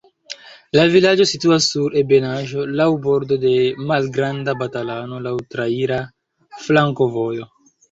La vilaĝo situas sur ebenaĵo, laŭ bordo de Malgranda Balatono, laŭ traira flankovojo.